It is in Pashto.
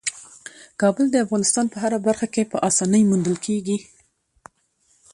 کابل د افغانستان په هره برخه کې په اسانۍ موندل کېږي.